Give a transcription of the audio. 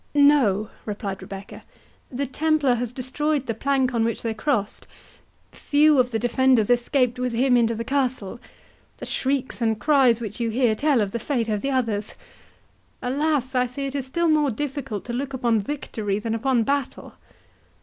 "No," replied Rebecca, "The Templar has destroyed the plank on which they crossed—few of the defenders escaped with him into the castle—the shrieks and cries which you hear tell the fate of the others—Alas!—I see it is still more difficult to look upon victory than upon battle."